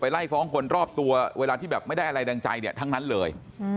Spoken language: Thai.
ไล่ฟ้องคนรอบตัวเวลาที่แบบไม่ได้อะไรแดงใจเนี่ยทั้งนั้นเลย